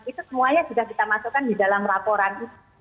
itu semuanya sudah kita masukkan di dalam laporan itu